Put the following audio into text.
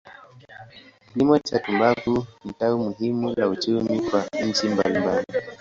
Kilimo cha tumbaku ni tawi muhimu la uchumi kwa nchi mbalimbali.